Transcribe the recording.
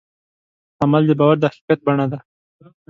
عمل د باور د حقیقت بڼه ده.